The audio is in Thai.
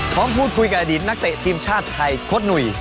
พร้อมพูดคุยกับอดีตนักเตะทีมชาติไทยโค้ดหนุ่ย